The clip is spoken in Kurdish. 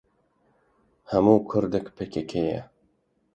Hemû kurdek pkk ye.